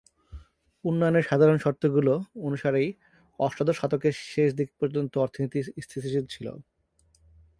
উন্নয়নের সাধারণ শর্তগুলো অনুসারেই অষ্টাদশ শতকের শেষ দিক পর্যন্ত অর্থনীতি স্থিতিশীল ছিল।